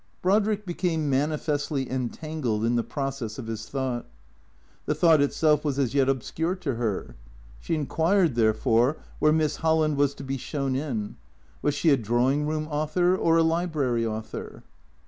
Brodrick became manifestly entangled in the process of his thought. The thought itself was as yet obscure to her. She inquired, therefore, where Miss Holland was to be " shown in." Was she a drawing room author or a library author?